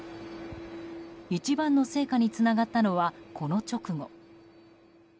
一番の成果につながったのはこの直後。